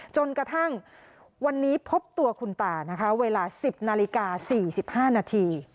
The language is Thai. จนกระทั่งวันนี้พบตัวคุณตานะคะเวลา๑๐นาฬิกา๔๕นาที